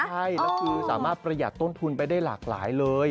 ใช่แล้วคือสามารถประหยัดต้นทุนไปได้หลากหลายเลย